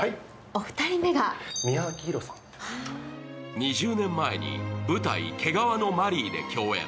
２０年前に舞台、「毛皮のマリー」で共演。